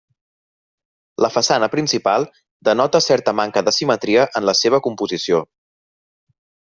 La façana principal denota certa manca de simetria en la seva composició.